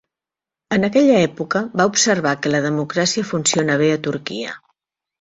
En aquella època, va observar que la democràcia funciona bé a Turquia.